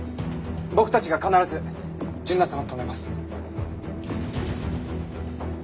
僕たちが必ず純奈さんを止めます。